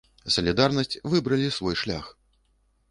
Салідарнасць, выбралі свой шлях.